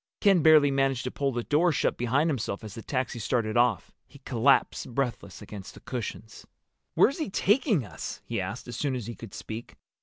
Ken barely managed to pull the door shut behind himself as the taxi started off. He collapsed breathless against the cushions. "Where's he taking us?" he asked, as soon as he could speak.